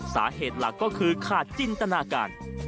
สาเหตุหลักก็คือขาดจินตนาการ